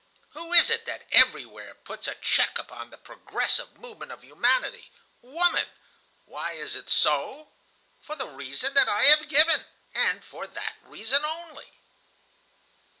Who is it that everywhere puts a check upon the progressive movement of humanity? Woman. Why is it so? "For the reason that I have given, and for that reason only."